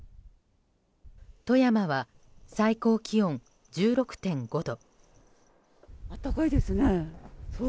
富山は最高気温１６．５度。